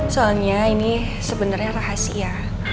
soalnya ini sebenernya rahasia